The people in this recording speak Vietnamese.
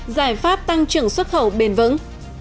giải pháp tăng trưởng xuất khẩu bền vững